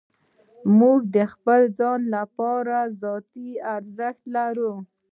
موږ د خپل ځان لپاره ذاتي ارزښت لرو.